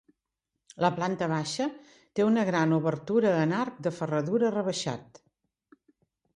La planta baixa té una gran obertura en arc de ferradura rebaixat.